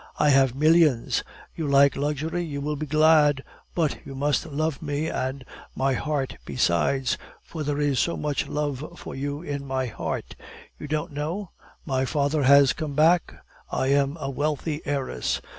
I have millions. You like luxury, you will be glad; but you must love me and my heart besides, for there is so much love for you in my heart. You don't know? My father has come back. I am a wealthy heiress.